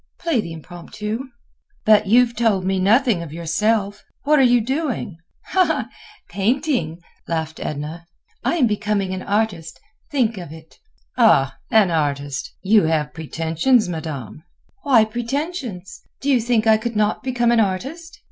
Play the Impromptu." "But you have told me nothing of yourself. What are you doing?" "Painting!" laughed Edna. "I am becoming an artist. Think of it!" "Ah! an artist! You have pretensions, Madame." "Why pretensions? Do you think I could not become an artist?"